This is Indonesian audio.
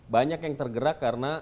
banyak yang tergerak karena